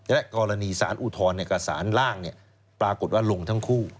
และกรณีสารอุทธรณ์กับสารล่างปรากฏว่าลงทั้งคู่